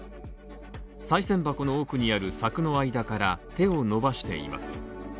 賽銭箱の奥にある柵の間から手を伸ばしています。